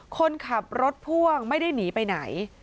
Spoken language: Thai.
คนขับรถพ่วงไม่ได้หนีไปไหน